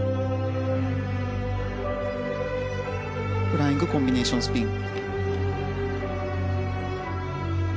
フライングコンビネーションスピン。